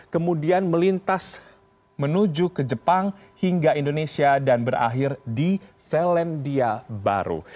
kemudian melintas menuju ke jepang hingga indonesia dan berakhir di selandia baru